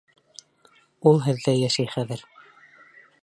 Ул һеҙҙә йәшәй хәҙер.